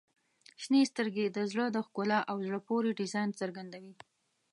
• شنې سترګې د زړه د ښکلا او زړه پورې ډیزاین څرګندوي.